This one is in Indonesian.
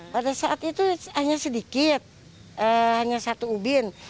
pada saat itu hanya sedikit hanya satu ubin